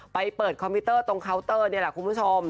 ไปเปิดคอมพิวเตอร์ตรงเคาน์เตอร์นี่แหละคุณผู้ชม